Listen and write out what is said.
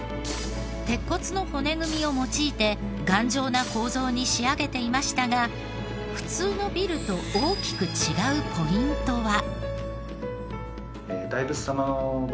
鉄骨の骨組みを用いて頑丈な構造に仕上げていましたが普通のビルと大きく違うポイントは。